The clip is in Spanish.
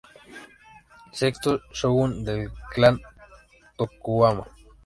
Sexto "shōgun" del clan Tokugawa.